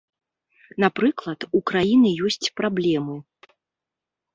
Напрыклад, у краіны ёсць праблемы.